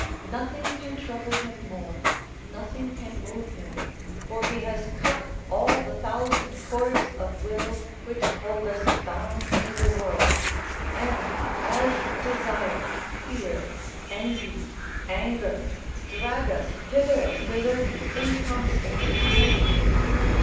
Nothing can trouble him more, nothing can move him, for he has cut all the thousand cords of will which hold us bound to the world, and, as desire, fear, envy, anger, drag us hither and thither in constant pain.